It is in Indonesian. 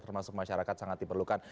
termasuk masyarakat sangat diperlukan